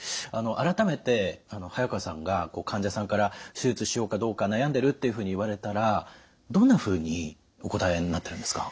改めて早川さんが患者さんから「手術しようかどうか悩んでる」っていうふうに言われたらどんなふうにお答えになってるんですか？